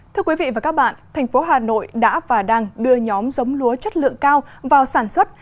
thưa quý vị và các bạn thành phố hà nội đã và đang đưa nhóm giống lúa chất lượng cao vào sản xuất